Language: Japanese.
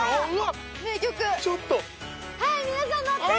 はい皆さんのって！